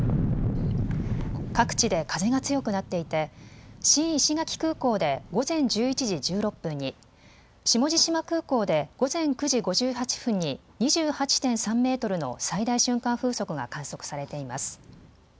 各地で風が強くなっていて新石垣空港で午前１１時１６分に、下地島空港で午前９時５８分に２８．３メートルの最大瞬間風速が観測されています。